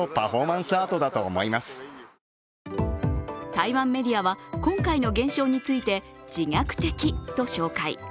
台湾メディアは、今回の現象について、自虐的と紹介。